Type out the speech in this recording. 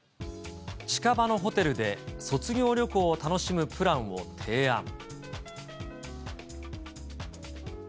近場のホテルで卒業旅行を楽しむプランを提案。